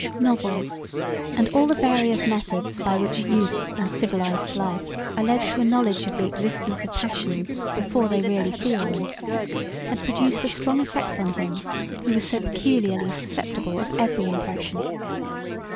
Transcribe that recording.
Novels and all the various methods by which youth in civilized life are led to a knowledge of the existence of passions before they really feel them, had produced a strong effect on him who was so peculiarly susceptible of every impression.